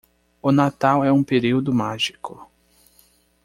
O natal é um período mágico